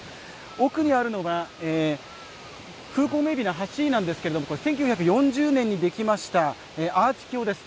奥にあるのが風光明媚な橋なんですけど１９４０年にできましたアーチ橋です。